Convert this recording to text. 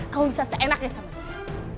kamu bisa seenaknya sama saya